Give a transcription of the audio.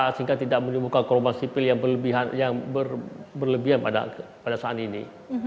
sehingga tidak menimbulkan korban sipil yang berlebihan pada saat ini